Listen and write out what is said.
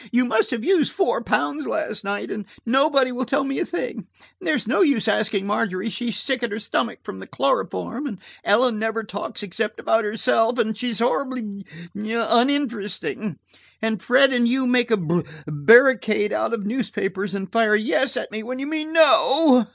You must have used four pounds last night–and nobody will tell me a thing. There's no use asking Margery–she's sick at her stomach from the chloroform–and Ellen never talks except about herself, and she's horribly–uninteresting. And Fred and you make a ba–barricade out of newspapers, and fire 'yes' at me when you mean 'no.'"